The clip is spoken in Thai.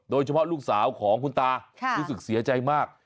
ลูกสาวของคุณตารู้สึกเสียใจมาก